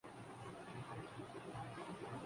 ان میں بے شمار فرقے ہیں اور بہت سے لوگ لبرل ہیں۔